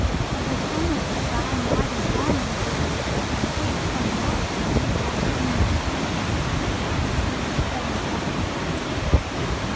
The tumult of thy mighty harmonies Will take from both a deep, autumnal tone, Sweet though in sadness.